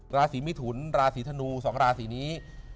ราศีมิถุนราศีธนู๒ราศีนี้